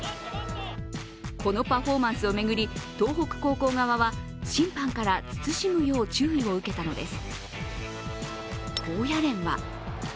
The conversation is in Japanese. このパフォーマンスを巡り、東北高校側は審判から慎むよう注意を受けたのです。